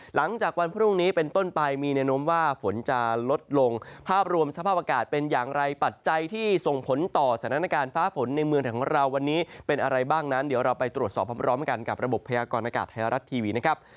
หลังจากวันพรุ่งนี้เป็นต้นไปมีแนวโน้มว่าฝนจะลดลงภาพรวมสภาพอากาศเป็นอย่างไรปัจจัยที่ส่งผลต่อสถานการณ์ฟ้าฝนในเมืองไทยของเราวันนี้เป็นอะไรบ้างนั้นเดี๋ยวเราไปตรวจสอบพร้อมกันกับระบบพยากรณากาศไทยรัฐทีวีนะครับ